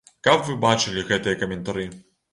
Каб вы бачылі гэтыя каментары!